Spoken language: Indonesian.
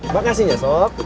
makasih ya sob